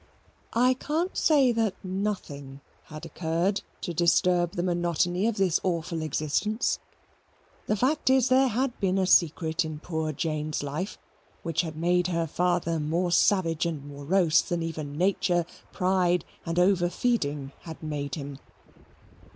I can't say that nothing had occurred to disturb the monotony of this awful existence: the fact is, there had been a secret in poor Jane's life which had made her father more savage and morose than even nature, pride, and over feeding had made him.